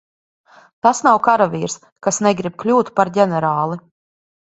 Tas nav karavīrs, kas negrib kļūt par ģenerāli.